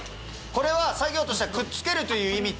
これは作業としてはくっつけるという意味と。